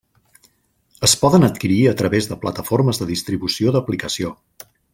Es poden adquirir a través de plataformes de distribució d'aplicació.